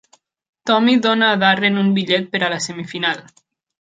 Tommy dona a Darren un bitllet per a la semifinal.